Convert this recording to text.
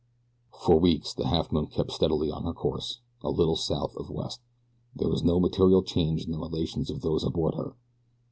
For weeks the Halfmoon kept steadily on her course, a little south of west. There was no material change in the relations of those aboard her.